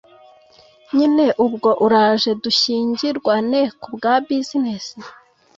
nyine ubwo uraje dushyingirwane kubwa business?